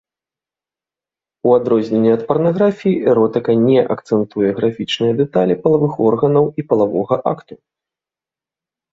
У адрозненне ад парнаграфіі, эротыка не акцэнтуе графічныя дэталі палавых органаў і палавога акту.